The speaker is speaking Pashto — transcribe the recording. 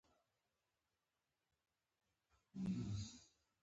دغه ډلې داسې تصور کړو.